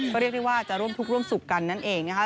ก็เรียกได้ว่าจะร่วมทุกข์ร่วมสุขกันนั่นเองนะคะ